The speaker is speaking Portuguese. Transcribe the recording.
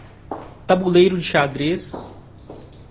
Tabuleiro de xadrez